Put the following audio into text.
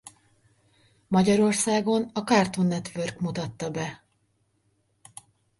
Magyarországon a Cartoon Network mutatta be.